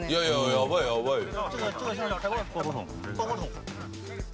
やばいやばいよ。